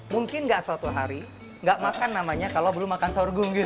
mungkin nggak suatu hari nggak makan namanya kalau belum makan sorghur